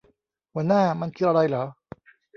หัวหน้ามันคืออะไรหรอ